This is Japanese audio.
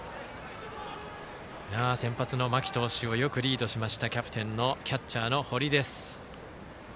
先発の間木投手をよくリードしましたキャプテンのキャッチャーの堀。